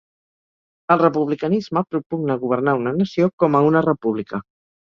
El republicanisme propugna governar una nació com a una república.